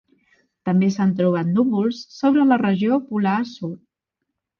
També s'han trobat núvols sobre la regió polar sud.